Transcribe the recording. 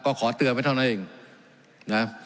ก็ขอเตือนไว้เท่านั้นเองนะ